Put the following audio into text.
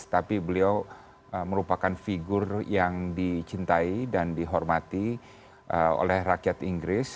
tapi beliau merupakan figur yang dicintai dan dihormati oleh rakyat inggris